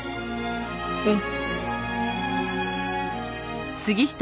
うん。